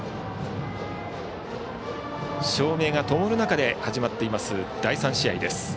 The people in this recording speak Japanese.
照明がともる中で始まっています、第３試合です。